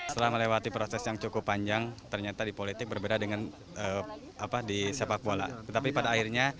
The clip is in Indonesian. setelah melewati proses yang cukup panjang ternyata di politik berbeda dengan apa di sepak bola tetapi pada akhirnya